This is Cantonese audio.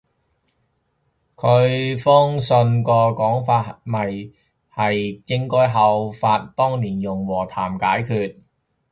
佢封信個講法咪係應該效法當年用和談解決